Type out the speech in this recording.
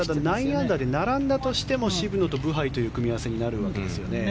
９アンダーで並んだとしても渋野とブハイという組み合わせになるわけですよね。